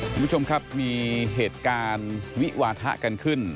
คุณผู้ชมครับมีเหตุการณ์วิวาทะกันขึ้น